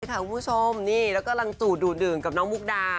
สวัสดีค่ะคุณผู้ชมนี่เรากำลังจูบดูดดื่มกับน้องมุกดา